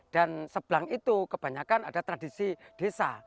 dan sebelang itu kebanyakan ada tradisi desa